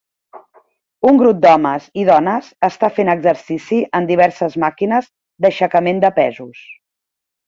Un grup d'homes i dones està fent exercici en diverses màquines d'aixecament de pesos.